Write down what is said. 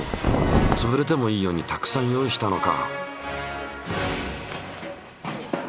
つぶれてもいいようにたくさん用意したのか。